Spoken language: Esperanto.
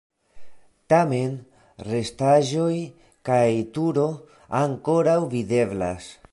Tamen restaĵoj kaj turo ankoraŭ videblas.